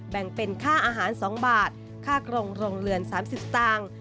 แบ่งเป็นค่าอาหาร๒บาทค่ากรงโรงเรือน๓๐สตางค์